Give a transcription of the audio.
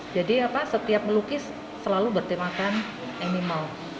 jadi setiap melukis selalu bertemakan animal